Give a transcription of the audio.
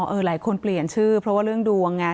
อ๋อเออหลายคนเปลี่ยนชื่อเพราะว่าเรื่องดวงอ่ะ